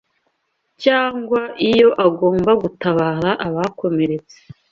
cyangwa iyo agomba gutabara abakomeretse